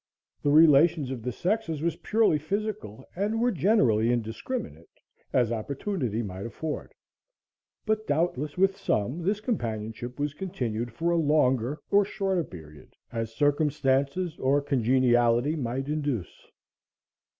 The relations of the sexes was purely physical and were generally indiscriminate, as opportunity might afford; but doubtless, with some, this companionship was continued for a longer or shorter period, as circumstances or congeniality might induce.